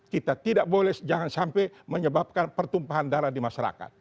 kita tidak boleh jangan sampai menyebabkan pertumpahan darah di masyarakat